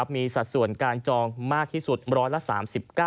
มีสัดส่วนการจองมากที่สุดร้อยละ๓๙